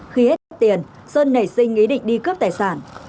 khi hết tiền sơn nảy sinh ý định đi cướp tài sản